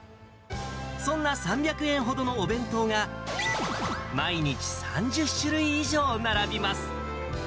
そんな３００円ほどのお弁当が、毎日３０種類以上並びます。